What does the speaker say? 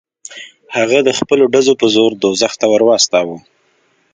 هغه د خپلو ډزو په زور دوزخ ته ور واستاوه.